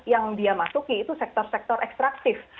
yang dia masuki itu sektor sektor ekstraktif